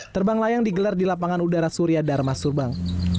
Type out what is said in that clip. terbang layang digelar di lapangan udara surya dharma subang